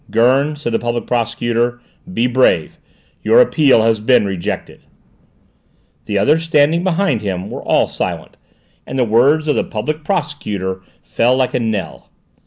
"Gurn," said the Public Prosecutor. "Be brave! Your appeal has been rejected!" The others, standing behind him, were all silent, and the words of the Public Prosecutor fell like a knell.